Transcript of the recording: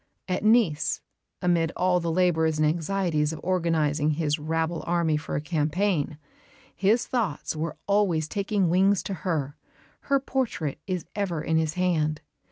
At Nice, amid all the labours and anxieties of organising his rabble army for a campaign, his thoughts are always taking wings to her; her portrait is ever in his hand.